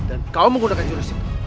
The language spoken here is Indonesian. dan kau menggunakan jurus itu